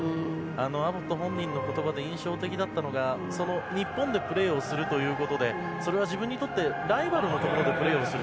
アボット本人の言葉で印象的だったのが日本でプレーをするということで自分にとってライバルのところでプレーをする。